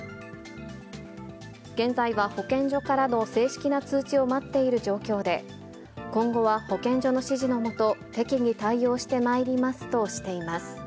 現在は保健所からの正式な通知を待っている状況で、今後は保健所の指示のもと、適宜対応してまいりますとしています。